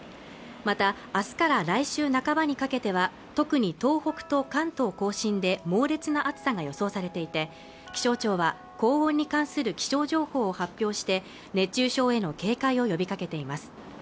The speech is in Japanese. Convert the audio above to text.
また明日から来週半ばにかけては特に東北と関東甲信で猛烈な暑さが予想されていて気象庁は高温に関する気象情報を発表して熱中症への警戒を呼びかけています